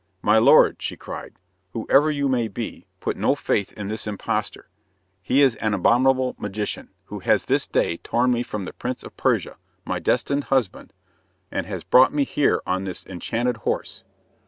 "My lord," she cried, "whoever you may be, put no faith in this impostor. He is an abominable magician, who has this day torn me from the Prince of Persia, my destined husband, and has brought me here on this enchanted horse."